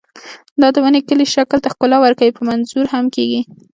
دا د ونې کلي شکل ته ښکلا ورکولو په منظور هم کېږي.